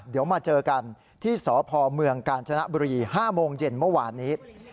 เดี๋ยวมาเจอกันที่สพเมืองกาญจนบุรี๕โมงเย็นเมื่อวานนี้